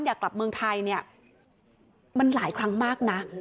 อยากกลับเมืองไทยเนี่ยมันหลายครั้งมากนะ